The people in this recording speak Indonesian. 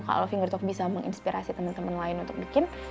kalau fingertalk bisa menginspirasi teman teman lain untuk bikin